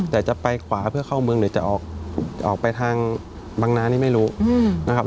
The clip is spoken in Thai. แต่จะไปขวาเพื่อเข้าเมืองหรือจะออกไปทางบางนานี่ไม่รู้นะครับ